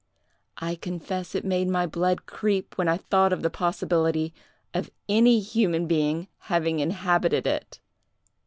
I confess it made my blood creep when I thought of the possibility of any human being having inhabited it!